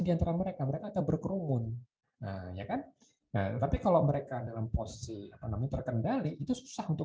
diantara mereka mereka berkerumun tapi kalau mereka dalam posisi terkendali itu susah untuk